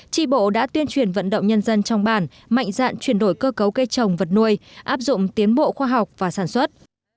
tri bộ đã tuyên truyền vận động nhân dân trong bản mạnh dạn chuyển đổi cơ cấu cây trồng vật nuôi áp dụng tiến bộ khoa học và sản xuất